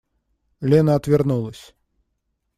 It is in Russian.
Лена отвернулась.